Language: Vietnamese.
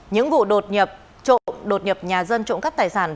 những vụ đột nhập trộm đột nhập nhà dân trộm cắp tài sản